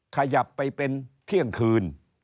ขยับไปเป็นเที่ยงคืน